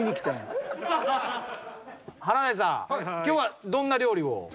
今日はどんな料理を？